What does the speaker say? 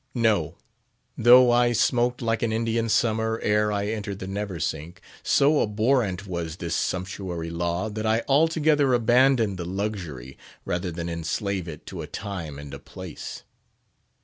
No! though I smoked like an Indian summer ere I entered the Neversink, so abhorrent was this sumptuary law that I altogether abandoned the luxury rather than enslave it to a time and a place.